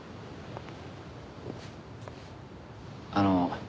あの。